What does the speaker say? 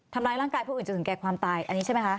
ทำร้ายร่างกายผู้อื่นจนถึงแก่ความตายอันนี้ใช่ไหมคะ